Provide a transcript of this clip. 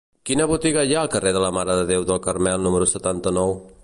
Quina botiga hi ha al carrer de la Mare de Déu del Carmel número setanta-nou?